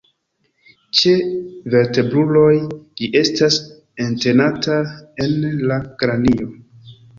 Ĉe vertebruloj ĝi estas entenata en la kranio.